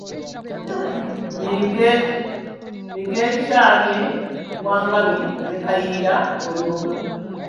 Migeekyamye wa Ngabi ne Kayiira ow'Embogo.